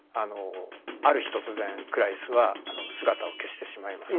ある日突然クラリスは姿を消してしまいます。